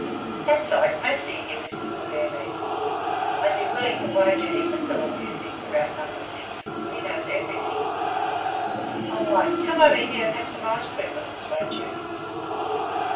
"There 's Ike Massey!" he whispered to Bernice. "I 'd be willing to wager he can tell a few things about Number Six. He knows everything!" "O Ike! Come over here and have some ice cream with us, won't you?"